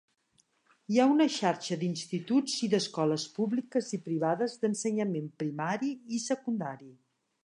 Hi ha una xarxa d'instituts i d'escoles públiques i privades d'ensenyament primari i secundari.